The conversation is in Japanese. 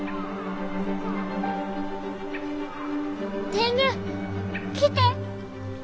天狗来て！